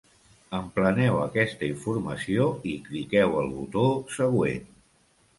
Empleneu aquesta informació i cliqueu el botó 'Següent'.